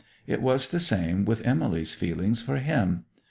It was the same with Emily's feelings for him.